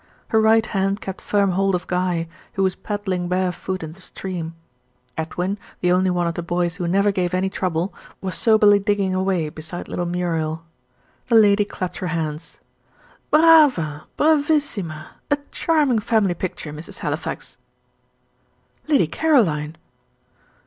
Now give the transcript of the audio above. Her right hand kept firm hold of Guy, who was paddling barefoot in the stream: Edwin, the only one of the boys who never gave any trouble, was soberly digging away, beside little Muriel. The lady clapped her hands. "Brava! bravissima! a charming family picture, Mrs. Halifax." "Lady Caroline!"